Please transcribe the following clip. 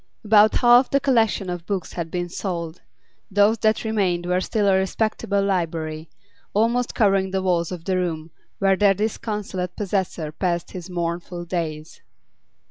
About half the collection of books had been sold; those that remained were still a respectable library, almost covering the walls of the room where their disconsolate possessor passed his mournful days.